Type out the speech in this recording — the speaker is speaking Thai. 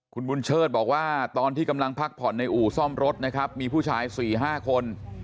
คุณบุญเชิดบอกว่าตอนที่กำลังพักผ่อนในอู่ซ่อมรถนะครับมีผู้ชาย๔๕คน